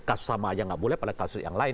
kasus sama aja nggak boleh pada kasus yang lain